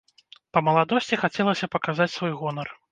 Па маладосці хацелася паказаць свой гонар.